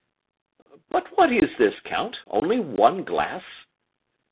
"But what is this, count, only one glass?"